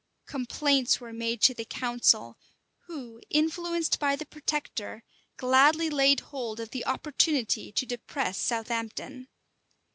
Complaints were made to the council, who, influenced by the protector, gladly laid hold of the opportunity to depress Southampton.